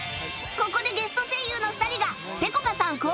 ここでゲスト声優の２人がぺこぱさん